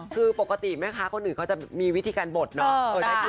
คือปกติแม่ค้าคนอื่นเขาจะมีวิธีการบดเนาะ